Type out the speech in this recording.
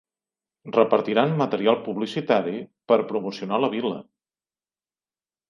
Repartiran material publicitari per promocionar la vila.